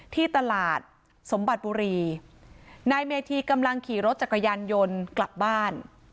ที่ตลาดสมบัติบุรีนายเมธีกำลังขี่รถจักรยานยนต์กลับบ้าน